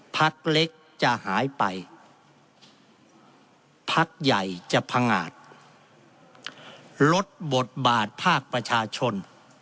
พักเล็กจะหายไปพักใหญ่จะพังงาดลดบทบาทภาคประชาชน